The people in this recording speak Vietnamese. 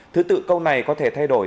thứ tự câu này có thể thay đổi